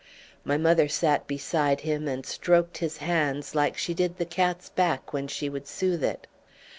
My mother sat beside him and stroked his hands like she did the cat's back when she would soothe it.